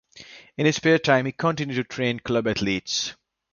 In his spare time he continued to train club athletes.